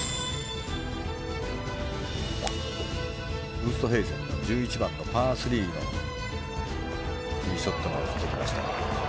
ウーストヘイゼンの１１番のパー３のティーショットが映ってきました。